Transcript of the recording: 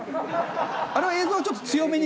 あれは映像がちょっと強めに。